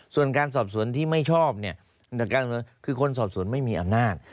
ส่วนการสอบสวนที่ไม่ชอบเนี่ยคือคนสอบสวนไม่มีอำนาจ